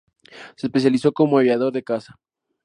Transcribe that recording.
Se especializó como aviador de caza.